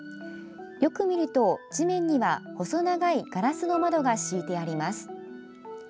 よく見ると、地面には細長いガラスの窓が敷いてあります。